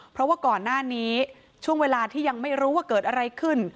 เพราะว่าก่อนหน้านี้ช่วงเวลาที่ยังไม่รู้ว่าเกิดอะไรขึ้น